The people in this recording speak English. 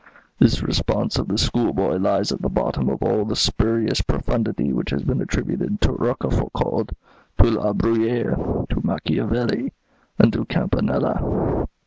This response of the schoolboy lies at the bottom of all the spurious profundity which has been attributed to Rochefoucauld, to La Bruyère, to Machiavelli, and to Campanella."